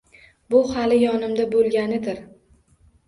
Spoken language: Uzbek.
Bu hali yonimda bo‘lganidir